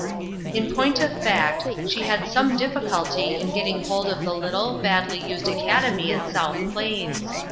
In point of fact, she had some difficulty in getting hold of the little, badly used acad emy at South Plains.